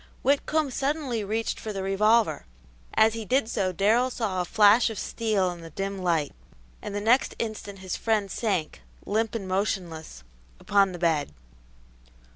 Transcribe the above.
Whitcomb suddenly reached for the revolver; as he did so Darrell saw a flash of steel in the dim light, and the next instant his friend sank, limp and motionless, upon the bed.